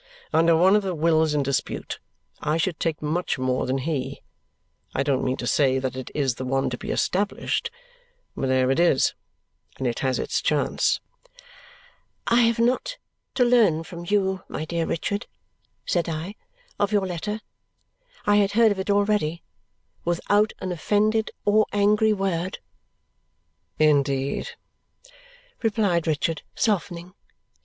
Under one of the wills in dispute, I should take much more than he. I don't mean to say that it is the one to be established, but there it is, and it has its chance." "I have not to learn from you, my dear Richard," said I, "of your letter. I had heard of it already without an offended or angry word." "Indeed?" replied Richard, softening.